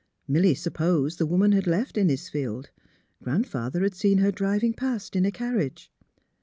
Milly supposed the woman had left Innisfield. Grandfather had seen her driving past in a carriage.